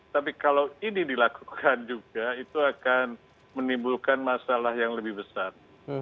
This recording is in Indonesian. tapi kalau ini dilakukan juga itu akan menimbulkan masalah yang lebih besar